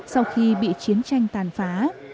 sau khi bị chiến tranh tàn phá